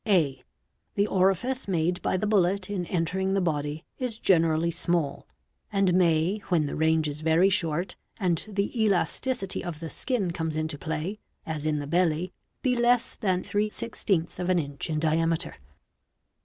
j (a) The orifice made by the bullet in entering the body | generally small, and may, when the range is very short and the elastici | of the skin comes into play, as in the belly, be less than 3, inch i diameter.